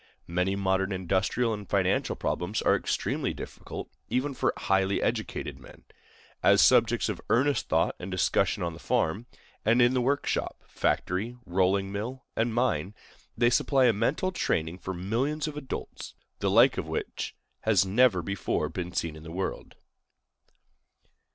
Many modern industrial and financial problems are extremely difficult, even for highly educated men. As subjects of earnest thought and discussion on the farm, and in the work shop, factory, rolling mill, and mine, they supply a mental training for millions of adults, the like of which has never before been seen in the world.